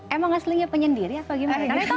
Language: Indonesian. emang aslinya penyendiri atau gimana